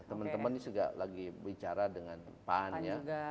teman teman ini lagi bicara dengan pak an juga